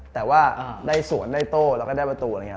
แต่ว่าได้สวนได้โต้แล้วก็ได้ประตูอะไรอย่างนี้